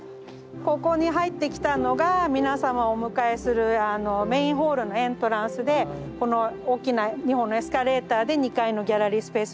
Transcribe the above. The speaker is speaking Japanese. ここに入ってきたのが皆様をお迎えするメインホールのエントランスでこの大きな２本のエスカレーターで２階のギャラリースペースに行きます。